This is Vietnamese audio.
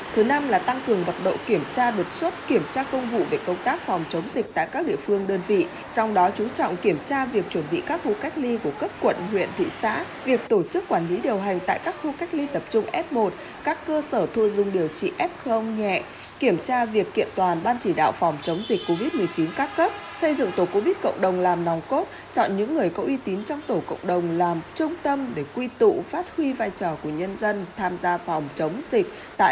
thứ năm là tăng cường bậc độ kiểm tra đột xuất kiểm tra công vụ về công tác phòng chống dịch tại các địa phương đơn vị trong đó chú trọng kiểm tra việc chuẩn bị các khu cách ly của cấp quận huyện thị xã việc tổ chức quản lý điều hành tại các khu cách ly tập trung f một các cơ sở thu dung điều trị f nhẹ kiểm tra việc kiện toàn ban chỉ đạo phòng chống dịch covid một mươi chín các cấp xây dựng tổ covid cộng đồng làm nòng cốt chọn những người có uy tín trong tổ cộng đồng làm trung tâm để quy tụ phát huy vai trò của nhân dân tham gia phòng chống dịch